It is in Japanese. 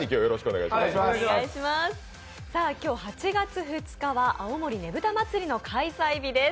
今日８月２日は青森ねぶた祭の開催日です。